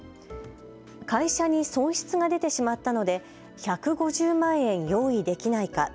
会社に損失が出てしまったので１５０万円、用意できないか。